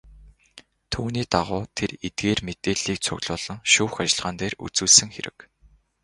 Түүний дагуу тэр эдгээр мэдээллийг цуглуулан шүүх ажиллагаан дээр үзүүлсэн хэрэг.